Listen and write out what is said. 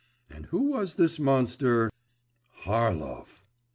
And who was this monster? Harlov!